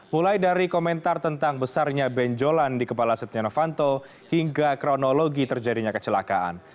mulai dari komentar tentang besarnya benjolan di kepala setia novanto hingga kronologi terjadinya kecelakaan